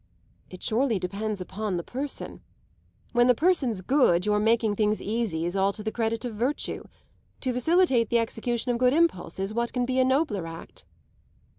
"It surely depends upon the person. When the person's good, your making things easy is all to the credit of virtue. To facilitate the execution of good impulses, what can be a nobler act?"